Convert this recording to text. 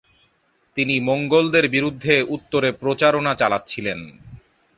তিনি মঙ্গোলদের বিরুদ্ধে উত্তরে প্রচারণা চালাচ্ছিলেন।